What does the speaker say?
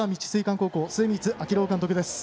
高校末光章朗監督です。